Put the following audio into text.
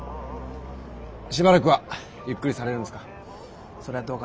しばらくはゆっくりされるんですか？